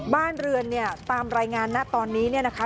บ้านเรือนตามรายงานตอนนี้นะคะ